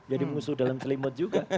jadi musuh dalam selimut juga